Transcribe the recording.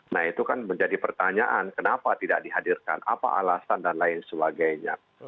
nah itu kan menjadi pertanyaan kenapa tidak dihadirkan apa alasan dan lain sebagainya